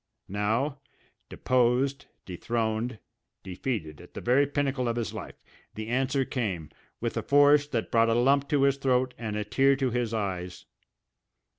Now, deposed, dethroned, defeated at the very pinnacle of his life, the answer came, with a force that brought a lump to his throat and a tear to his eyes.